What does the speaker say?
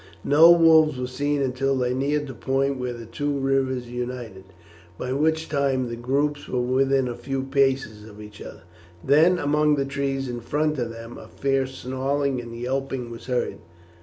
No wolves were seen until they neared the point where the two rivers unite, by which time the groups were within a few paces of each other. Then among the trees in front of them a fierce snarling and yelping was heard.